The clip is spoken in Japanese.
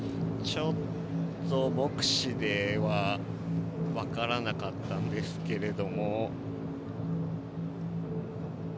ちょっと目視では分からなかったんですけど。